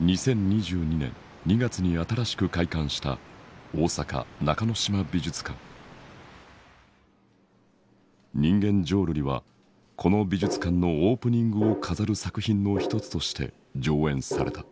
２０２２年２月に新しく開館した人間浄瑠璃はこの美術館のオープニングを飾る作品の一つとして上演された。